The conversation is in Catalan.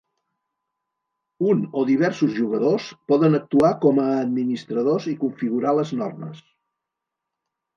Un o diversos jugadors poden actuar com a administradors i configurar les normes.